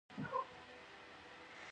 د فکرو نه په حرکت سره ژوند جوړېږي.